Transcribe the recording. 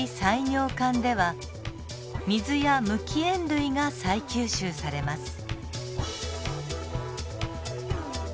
尿管では水や無機塩類が再吸収されます。